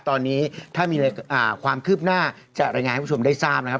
ตอนนี้ถ้ามีความคืบหน้าจะรายงานให้คุณผู้ชมได้ทราบนะครับ